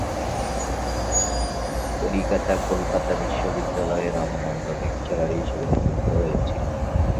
কলিকাতা কলকাতা বিশ্ববিদ্যালয়ে 'রামানন্দ' লেকচারার হিসেবে নিযুক্ত হয়েছিলেন।